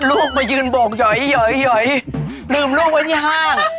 ลูกเอ่ยยยลืมลูกมาอยู่บนที่ห้าง